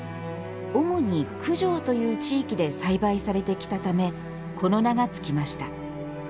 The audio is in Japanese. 主に九条という地域で栽培されてきたためこの名がつきました。